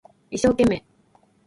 一生懸命